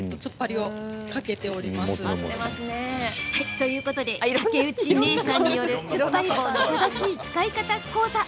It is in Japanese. ということで、竹内姉さんによるつっぱり棒の正しい使い方講座。